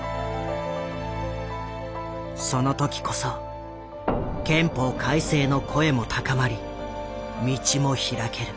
その時こそ憲法改正の声も高まり道も開ける。